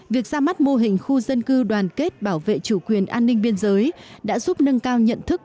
việc ra mắt mô hình khu dân cư đoàn kết bảo vệ chủ quyền an ninh biên giới đã giúp nâng cao nhận thức